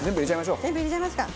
全部入れちゃいますか！